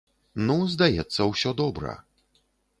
Ну, здаецца, усё добра.